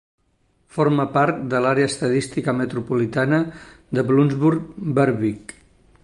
Forma part de l'Àrea Estadística Metropolitana de Bloomsburg-Berwick.